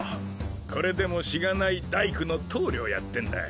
これでもしがない大工の棟梁やってんだ。